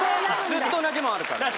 ずっと同じものあるから。